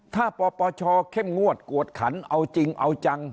ถ้าปปชเข้มงวดกวดขันเอาจริงเอาจัง